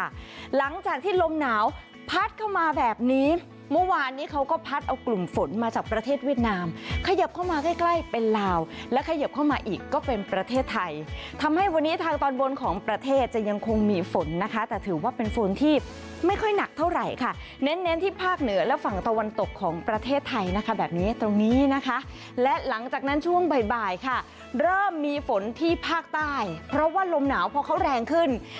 ค่ะหลังจากที่ลมหนาวพัดเข้ามาแบบนี้เมื่อวานนี้เขาก็พัดเอากลุ่มฝนมาจากประเทศเวียดนามขยับเข้ามาใกล้เป็นลาวและขยับเข้ามาอีกก็เป็นประเทศไทยทำให้วันนี้ทางตอนบนของประเทศจะยังคงมีฝนนะคะแต่ถือว่าเป็นฝนที่ไม่ค่อยหนักเท่าไหร่ค่ะเน้นที่ภาคเหนือและฝั่งตะวันตกของประเทศไทยนะคะแบ